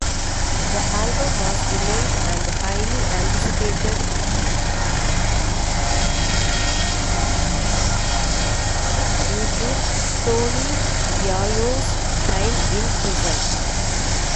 The album was delayed and highly anticipated, due to Tony Yayo's time in prison.